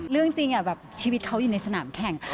เรื่องจริงชีวิตเขาอยู่ในสนามแข่ง